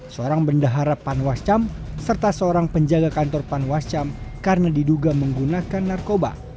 seorang bendahara panwascam serta seorang penjaga kantor panwascam karena diduga menggunakan narkoba